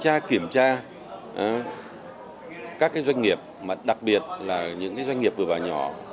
thanh tra kiểm tra các doanh nghiệp đặc biệt là những doanh nghiệp vừa vào nhỏ